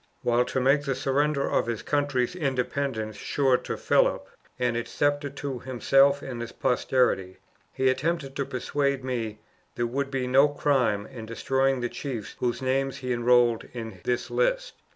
While to make the surrender of his country's independence sure to Philip, and its scepter to himself and his posterity, he attempted to persuade me there would be no crime in destroying the chiefs whose names he enrolled in this list.